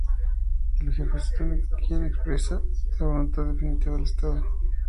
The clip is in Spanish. Es el jefe único quien expresa la voluntad definitiva del Estado.